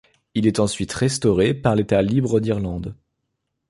Il est ensuite restauré par l’État libre d'Irlande.